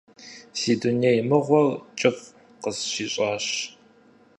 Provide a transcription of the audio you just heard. Си дуней мыгъуэр кӀыфӀ къысщищӀащ…